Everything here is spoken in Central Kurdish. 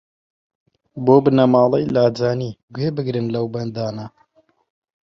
بۆ بنەماڵەی لاجانی گوێ بگرن لەو بەندانە